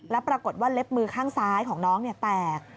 แล้วปรากฏว่าเล็บมือข้างซ้ายของน้องแตก